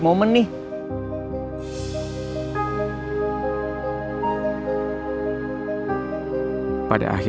saat pertama kali